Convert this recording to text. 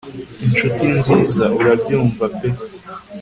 nshuti nziza, urabyumva pe